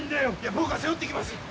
僕が背負っていきます。